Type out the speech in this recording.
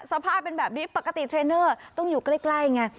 สภาพเป็นแบบนี้ปกติเทรนเนอร์ต้องอยู่ใกล้ไง